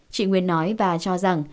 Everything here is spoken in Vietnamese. chị nguyên nói và cho rằng